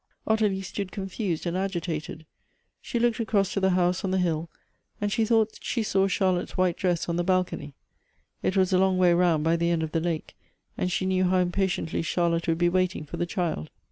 Ottilie stood confused and agitated. She looked across to the house on the hill, and she thought. she saw Charlotte's white dress on the balcony. It was a long way round by the end of the lake ; and she knew how impatiently Charlotte would be waiting for the child.